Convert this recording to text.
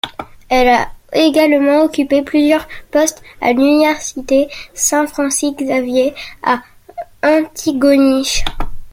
Elle a également occupé plusieurs postes à l’Université Saint-Francis-Xavier, à Antigonish.